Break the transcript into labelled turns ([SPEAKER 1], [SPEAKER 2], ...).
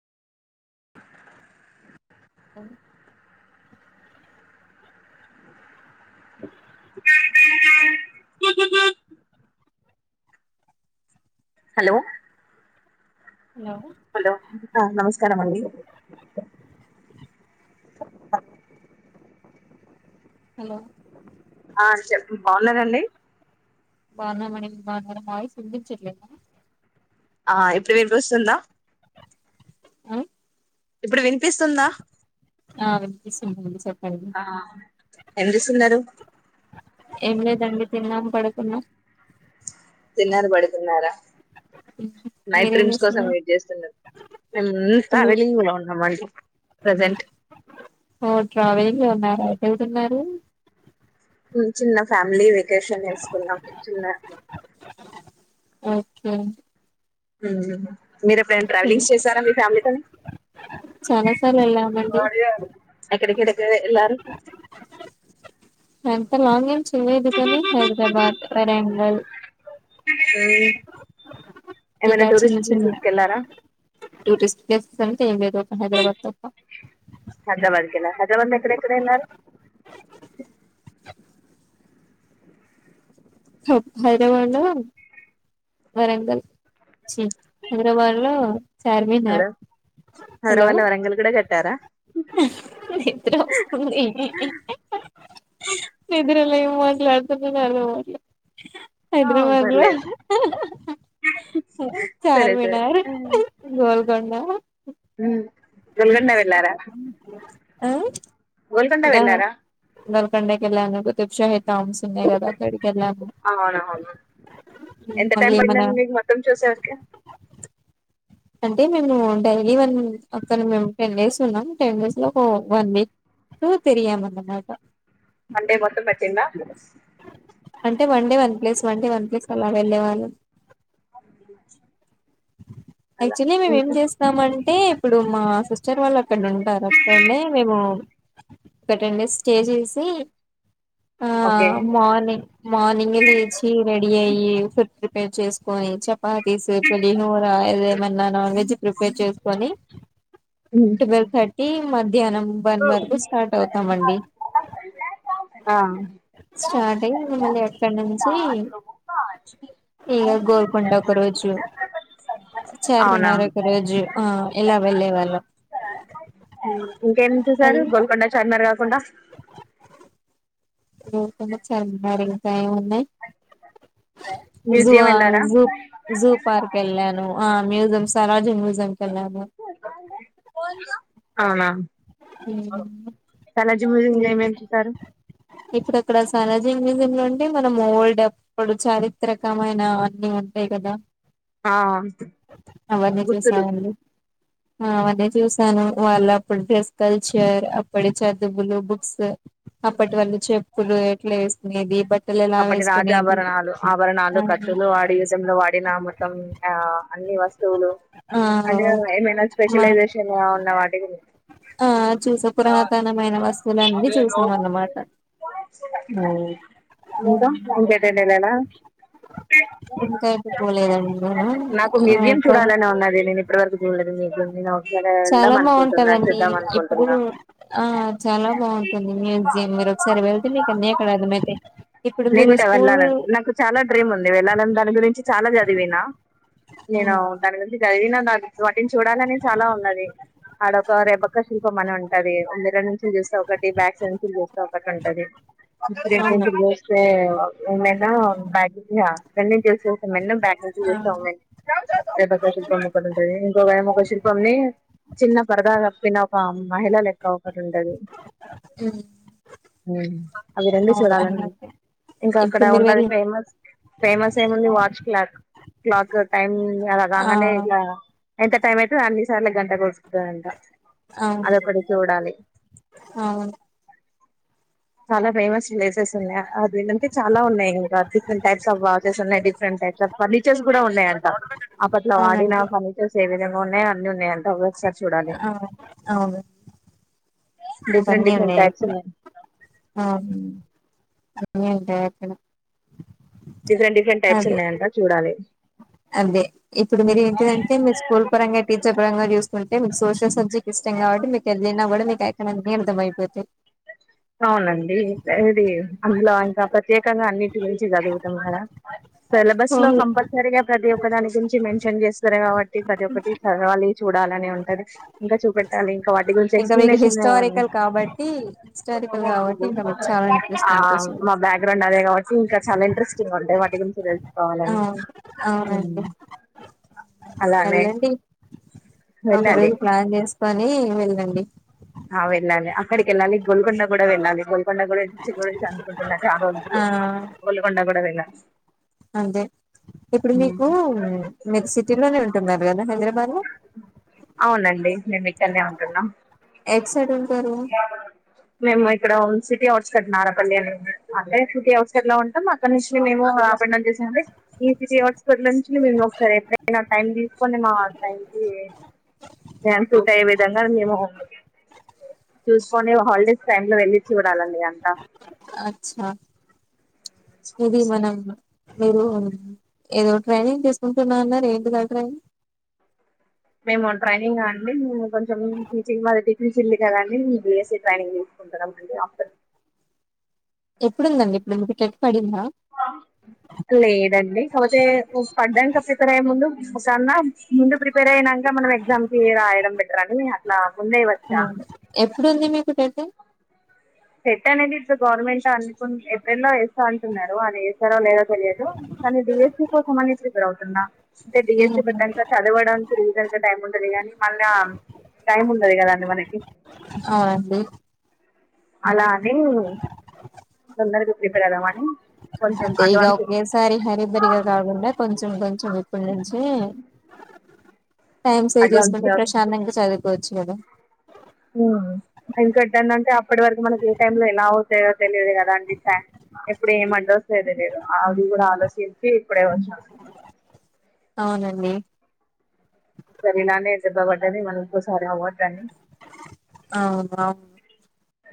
[SPEAKER 1] అ
[SPEAKER 2] hello hello ఆ నమస్కారమండి
[SPEAKER 1] hello
[SPEAKER 2] ఆ చెప్పు బాగున్నారండి
[SPEAKER 1] బానామని నా వాయిస్ వినిపిచట్లేదా
[SPEAKER 2] ఆ ఇప్పుడు విని వస్తుందా
[SPEAKER 1] ఆ
[SPEAKER 2] ఇప్పుడు వినిపిస్తుందా
[SPEAKER 1] ఆ వినిపిస్తుంది అండి చెప్పండి
[SPEAKER 2] ఎం చేస్తున్నారు
[SPEAKER 1] ఎం లేదండి తిన్నాం పడుకున్నా
[SPEAKER 2] తిన్నార బడికున్నారా నైట్
[SPEAKER 1] మీరేం
[SPEAKER 2] డ్రీమ్స్ కోసం
[SPEAKER 1] చేస్తున్నారు
[SPEAKER 2] వెయిట్ చేస్తున్నరు. ఉమ్ ట్రావెలింగ్ లో ఉన్నాం అండి. ప్రజెంట్
[SPEAKER 1] ఉన్నారు.
[SPEAKER 2] చిన్న ఫ్యామిలీ వెకేషన్ వేసుకున్నాం చిన్న
[SPEAKER 1] ఓకే
[SPEAKER 2] అజ మీరు ఎప్పుడైనా ట్రావెలింగ్ చేసారా మీ ఫ్యామిలీతోని
[SPEAKER 1] చాలా సార్లు వెళ్ళామండి
[SPEAKER 2] ఎక్కడెక్కడ వెళ్ళారు.
[SPEAKER 1] ఎంత లాంగ్ చేయలేదు కానీ హైదరాబాద్, వరంగల్.
[SPEAKER 2] ఏమనా
[SPEAKER 1] ఇలా చిన్న
[SPEAKER 2] టూరిస్ట్
[SPEAKER 1] చిన్న
[SPEAKER 2] ప్లేసెస్ కి వెళ్ళారా
[SPEAKER 1] టూరిస్ట్ ప్లేసెస్ అంటే ఏం లేదు ఒక హైదరాబాద్ తప్ప
[SPEAKER 2] హైదరాబాద్ కేన హైదరాబాద్ ల ఎక్కడక్కడ వెళ్లారు.
[SPEAKER 1] హైదరాబాద్ లో వరంగల్ హైదరాబాద్ లో చార్మినార్ హలో
[SPEAKER 2] హైదరాబాద్ లో వరంగల్ కూడా కట్టారా
[SPEAKER 1] నిద్ర వస్తుంది. నిద్ర నువ్వు అట్లా అడుగుతుంటేనే అర్థం అవ్వట్లే.
[SPEAKER 2] ఆ
[SPEAKER 1] హైదరాబాద్ లో
[SPEAKER 2] పర్లేదు సరే సరే
[SPEAKER 1] చార్మినార్, గోల్కొండ.
[SPEAKER 2] ఉమ్. గోల్కొండ వెళ్ళారా.
[SPEAKER 1] ఆ
[SPEAKER 2] గుల్కొండ వెళ్లారా.
[SPEAKER 1] గోల్కొండ కి వెళ్ళాము. టామ్స్ ఉన్నాయి కదా అక్కడికి వెళ్ళాము
[SPEAKER 2] అవునవును ఎంత టైం
[SPEAKER 1] అందులో ఏమన్నా.
[SPEAKER 2] పడిందండి మీకు మొత్తం చూసేవరకి
[SPEAKER 1] అంటే మేము డైలీ వన్ అక్కడ మేము టెన్ డేస్ ఉన్నాం టెన్ డేస్ లో ఒక వన్ వీక్ తిరిగామన్నమాట.
[SPEAKER 2] వన్ డే మొత్తం పట్టిందా
[SPEAKER 1] అంటే one day one place one day one place అలా వెళ్ళేవాళ్ళుము.
[SPEAKER 2] అ
[SPEAKER 1] యాక్చువలీ మేము ఏం చేస్తామంటే ఇప్పుడు మా సిస్టర్ వాళ్ళు అక్కడ ఉంటారు అక్కనే మేము ఒక టెన్ డేస్ స్టే చేసి. ఆ
[SPEAKER 2] ఓకే
[SPEAKER 1] మార్నింగ్ మార్నింగ్ లేచి రెడియయి. చేసుకొని చపాతి పులిహోర ఏదేమన్నా నాన్ వెజ్ ప్రిపేర్ చేసుకొని
[SPEAKER 2] ఉమ్.
[SPEAKER 1] Twelve thirty. వన్ వరకు స్టార్ట్ అవుతామండి.
[SPEAKER 2] ఆ
[SPEAKER 1] స్టార్ట్ అయ మళ్ళీ ఎక్కడ నుంచి ఇగ గోల్కొండ ఒక రోజు
[SPEAKER 2] అవునా
[SPEAKER 1] చార్మినార్
[SPEAKER 2] ఉమ్.
[SPEAKER 1] ఒక రోజు ఆ ఇలా వెళ్ళే వాళ్ళం.
[SPEAKER 2] ఈసారి
[SPEAKER 1] అయి
[SPEAKER 2] గోల్కొండ. కొండా
[SPEAKER 1] కొనుక్కొనొచ్చాను మరి ఇంకా ఏమున్నయ్
[SPEAKER 2] మ్యూజియం
[SPEAKER 1] జూఆ
[SPEAKER 2] వెళ్ళారా
[SPEAKER 1] జూ జూపార్క్ ఎల్లాను, ఆ మ్యూజమ్ సాలార్ జంగ్ మ్యూజియం కి ఎల్లాము
[SPEAKER 2] అవునా సాలార్ జంగ్ మ్యూజియం లో ఏమేం చూసారు?
[SPEAKER 1] ఇప్పుడా సాలర్ జంగ్ మ్యూజియంలో అంటే మనం ఓల్డప్పుడు చారిత్రకమైన అన్ని ఉంటాయి గదా.
[SPEAKER 2] ఆ గుర్తులు
[SPEAKER 1] ఆవన్నీ చూసాను వాళ్ళప్పుడు జెస్ కల్చర్ అప్పటి చదువులు బుక్స్ అప్పటి వళ్ళు చెప్ ప్పుడు ఎట్లేసుకునేది బట్
[SPEAKER 2] అప్పటి రాజాభరణాలు ఆభరణాలు
[SPEAKER 1] ఆ
[SPEAKER 2] ఖచులు వాడి యుధంలో వాడిన మొత్తం ఆ అన్ని వస్తువులు
[SPEAKER 1] ఆ
[SPEAKER 2] అన్ని ఏమైనా
[SPEAKER 1] మా
[SPEAKER 2] స్పెషలైజేషన్ ఉన్న వాటికి
[SPEAKER 1] ఆ చూస పురాతనమైన వస్తువులన్నీ చూసాం అన్నమాట.
[SPEAKER 2] ఇంకా ఇంకేటైనఎల్లారా?
[SPEAKER 1] ఇంకా అయితే పోలేదండి నేను
[SPEAKER 2] నాకు మ్యూజియం
[SPEAKER 1] ఎక్కువ
[SPEAKER 2] చూడాలని ఉన్నది నేన్ ఇప్పటి వరకు జూడ్ [unintelligible] నాక్
[SPEAKER 1] చాలా బావుంటదండి ఇప్పుడు
[SPEAKER 2] అనుకుంటున్నా
[SPEAKER 1] ఆ చాలా బావుంటుంది మ్యూజియం మీరోకసారి వెళ్తే మీక అన్నీ అక్కడ అర్థమైతై
[SPEAKER 2] నేను గుడా వెళ్ళాలని నాకు చాలా డ్రీమ్ ఉంది వెళ్ళాలని దాని గురించి చాలా చదివిన నేను
[SPEAKER 1] ఉమ్,
[SPEAKER 2] దాని గురించి చ చదివిన నా బుక్సు వన్ టింగ్ చూడాలనే చాలా ఉన్నది ఆడొక రెబక్క శిల్పం అని ఉన్ అదే ఎందులోనుంచ్ [unintelligible] స్తా ఒకటి, బ్యాక్ సైడ్ తిరిగేస్తా ఒక్ ఫస్ట్ అంటది
[SPEAKER 1] అవును
[SPEAKER 2] [unintelligible] క్లే ఏమైనా [unintelligible] [unintelligible] బ్యాక్
[SPEAKER 1] ఆ,
[SPEAKER 2] సైడ్ తొ చేస్తాం మేం శిల్పం ఒక్కటి ఉంటంది ఇంకొక ఏమో ఒక శిల్పంని చిన్న పర్దాగప్పిన పామ్ మహిళలెక్క ఒకటుంటది,
[SPEAKER 1] ఉమ్,
[SPEAKER 2] ఉమ్ అవి రెండు
[SPEAKER 1] అవును
[SPEAKER 2] చూడాలన్
[SPEAKER 1] అన్నీ ఉంటాయి
[SPEAKER 2] ఇంకా అక్కడ
[SPEAKER 1] ఇప్పుడు మీరు
[SPEAKER 2] ఉండది
[SPEAKER 1] వెళ్ళి
[SPEAKER 2] ఫేమస్ ఫేమస్ ఏముంది
[SPEAKER 1] ఉమ్,
[SPEAKER 2] వాచ్ క్లాక్ క్లాక్ టైమ్ అలా
[SPEAKER 1] ఆ
[SPEAKER 2] కాగానే ఇలా ఎంత టైం అయితదో అన్ని సార్ల గంట కోట్ గంట
[SPEAKER 1] అవును
[SPEAKER 2] అదొకటి చూడాలి
[SPEAKER 1] అవును
[SPEAKER 2] చాలా ఫేమస్ ప్లేసెస్ రెండంటే చాలా ఉన్నాయి ఇంకా డిఫరెంట్ టైప్స్ ఆఫ్ వాచెస్ ఉన్నాయి డిఫరెంట్ టైప్స్ ఆఫ్ ఫర్నిచర్స్ కూడా ఉన్నాయంట, అప్పట్లో వాడిన
[SPEAKER 1] అవునండి
[SPEAKER 2] ఫర్నిచర్స్ ఏ విధంగా ఉన్నాయ్ అన్ని ఉన్నాయంట అవ్
[SPEAKER 1] ఆ అవును
[SPEAKER 2] డిఫరెంట్
[SPEAKER 1] అవన్నీ
[SPEAKER 2] డిఫరెంట్
[SPEAKER 1] ఉన్నాయి
[SPEAKER 2] టైప్స్
[SPEAKER 1] అక్కడ
[SPEAKER 2] ఉన్నాయ్ ఉ
[SPEAKER 1] తానే అంటే ఇక్కడ
[SPEAKER 2] డిఫరెంట్ డిఫరెంట్ టైప్స్ ఉన్నాయంటా చూడాలి.
[SPEAKER 1] అదే ఇప్పుడు మీరు ఏంటిటంటే మీ స్కూల్ పరంగా టీచర్ పరంగా చూసుకుంటే మీకు సోషల్ సబ్జెక్ట్ ఇష్టం కాబట్టి మీకు ఏదైనా కూడా మీకు ఎకానమీ అర్థమయిపోద్ది.
[SPEAKER 2] అవునండి ఈ సారి అందులో అంత ప్రత్యేకగా అన్నిటి గురించి చదువుతాం కదా, సిలబస్ లో కంపల్సరీగా ప్రతి ఒక్క దాని గురించి మెన్షన్ చేస్తారు కాబట్టి ప్రతి ఒక్కటి చదవాలి చూడా చాలానే ఉంటది ఇంకా చూపెట్టాలి ఇంకా వాటి గురించి
[SPEAKER 1] ఇంకా మీకు
[SPEAKER 2] ఎక్స్ప్లెనేషన్ ఇవ్వాలి.
[SPEAKER 1] హిస్టారికల్ కాబట్టి హిస్టారికల్ కాబట్టి ఇంకా మీకు చాలా ఇంట్రెస్ట్
[SPEAKER 2] ఆ
[SPEAKER 1] అనిపిస్తుంది
[SPEAKER 2] మా బ్యాక్గ్రౌండ్ అదే కాబట్టి ఇంకా చాలా ఇంట్రెస్టింగ్ ఉంటాయ్, వాటి గురించి తెలుసుకోవాలని
[SPEAKER 1] అవును
[SPEAKER 2] ఉమ్
[SPEAKER 1] అవునండి
[SPEAKER 2] అలానే
[SPEAKER 1] వెళ్ళండి ఒక
[SPEAKER 2] వెళ్ళాలి
[SPEAKER 1] రోజు ప్లాన్ చేస్ పని వెళ్ళండి
[SPEAKER 2] ఆ వెళ్ళాలి అక్కడికి వెళ్ళాలి గోల్గండ కూడా వెళ్ళాలి గోల్ కొండ గురించి కూడా చానా అనుకుంటున్నా చాలా రోజులు నుంచి
[SPEAKER 1] ఆ
[SPEAKER 2] కొల్లాకొండ కూడా విన్న బ
[SPEAKER 1] అంతే ఇప్పుడు మీకు మీరు సిటీలోనే ఉంటున్నారు కదా హైదరాబాద్ లో
[SPEAKER 2] అవునండి మేము ఇక్కడనే ఉంటున్నాం
[SPEAKER 1] ఎటు సైడ్ ఉంటారు
[SPEAKER 2] మేము ఇక్కడ వొల్ సిటీ అవుట్స్కెట్ నారాపల్లి అని అంటే సిటీ అవుట్స్కెట్ లో ఉంటాం, అక్కడ నుంచి మేము మేము హాఫ్న్ చేసేసి ఈ సిటీ అవుట్స్కట్ నుంచి మేము ఒకసారి ఎప్పుడైనా టైం తీసుకొని మా టైం కి సూట్ అయ్యే విధంగా మేము చూసుకోని హాలిడేస్ టైమ్ లో వెళ్లి చూడాల
[SPEAKER 1] అచ్చ ఇది మనమ్ మీరు ఏదో ట్రైనింగ్ తీసుకుంటున్న అన్నారు ఏంటిది ఆ ట్రైనింగ్
[SPEAKER 2] మేము ట్రైనింగా అండి మేము కొంచెం టీచింగ్ మాది టీచర్ది [unintelligible] కదండి మీ బిఎస్స ట్రైనింగ్ తీసుకుంటున్నాంండి ఆఫ్టర్
[SPEAKER 1] ఎప్పుడుందండి ఇప్పుడు వీకే
[SPEAKER 2] లేదండి కాకపోతే పడ్డాకా ప్రిపేర్ అయ్యే ముందు కాన్న ముందే ప్రిపేర్ అయిన కా మనం ఎగ్జామ్ కి రాయడం బెటర్ అని అట్లా ముందే వచ్చా
[SPEAKER 1] కుటేస
[SPEAKER 2] సెట్ అనేది ఇప్పుడు గవర్నమెంట్ అనుకు ఏప్రిల్ లో వేస్తా అంటున్నారు అది సెరవ్ లేదో తెలియదు కానీ డిఎస్సి కోసం అని ప్రిపేర్ అవుతున్న, అంటే
[SPEAKER 1] ఉమ్,
[SPEAKER 2] డిఎస్సి చదవడానికి రీజన్ టై ఉండది కానీ మల్లా టైం ఉండదు కదా మనకి.
[SPEAKER 1] అవునండి
[SPEAKER 2] అలా అని తొందరగా ప్రిపేర్ అవుదాంమని
[SPEAKER 1] అదే ఇగా ఒకేసారి హరిభరిగా కాకుండా కొంచెం కొంచెం ఇప్పుడు నుంచే టైం సేవ్ చేసుకుంటే
[SPEAKER 2] అడ్వాన్స్
[SPEAKER 1] ప్రశాంతంగా చదువుకోవచ్చు లేదా
[SPEAKER 2] ఇంకందంటే అప్పటి వరకు మనకి ఏ టైమ్ లో ఎలా అవుతాయో తెలిదు గదా అండి ఎప్పుడు ఏం అడ్ వస్ తేలియదు అది కూడా ఆలోచించి ఇప్పుడే వచ్చా
[SPEAKER 1] అవునండి
[SPEAKER 2] ఒక సరి ఇలానే దేబ్బ పడ్డ ది మనం ఇంకోసారి అవ్వద్దని
[SPEAKER 1] అవునవును